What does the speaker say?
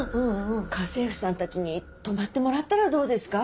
家政婦さんたちに泊まってもらったらどうですか？